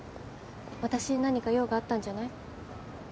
私に何か用があったんじゃない？